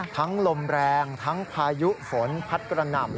ลมแรงทั้งพายุฝนพัดกระหน่ำ